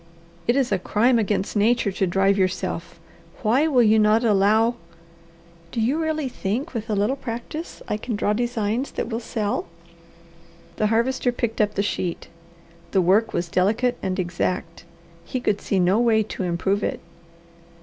"It is a crime against nature to drive yourself. Why will you not allow " "Do you really think, with a little practice, I can draw designs that will sell?" The Harvester picked up the sheet. The work was delicate and exact. He could see no way to improve it.